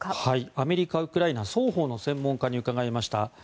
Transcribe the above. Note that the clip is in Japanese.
アメリカ、ウクライナ双方の専門家に伺いました。